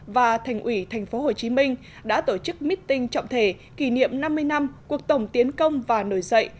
và thành ủy tp hcm đã tổ chức meeting trọng thể kỷ niệm năm mươi năm cuộc tổng tiến công và nổi dậy